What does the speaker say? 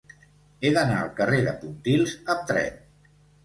He d'anar al carrer de Pontils amb tren.